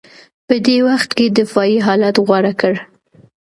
په دې وخت کې دفاعي حالت غوره کړ